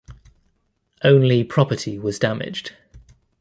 Only property was damaged.